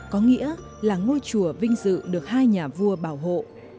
có nghĩa là ngôi chùa vinh dự được hai nhà vua bảo hộ